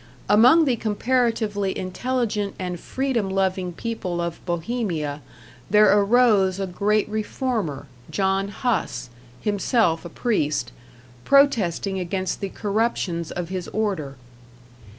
Among the comparatively intelligent and freedom loving people of Bohemia there arose a great reformer, John Huss, himself a priest, protesting against the corruptions of his order.